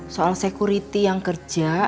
soal security yang kerja